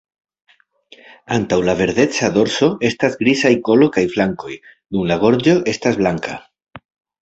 Antaŭ la verdeca dorso estas grizaj kolo kaj flankoj, dum la gorĝo estas blanka.